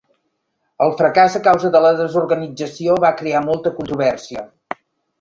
El fracàs a causa de la desorganització va crear molta controvèrsia.